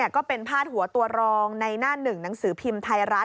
ก็เป็นพาดหัวตัวรองในหน้าหนึ่งหนังสือพิมพ์ไทยรัฐ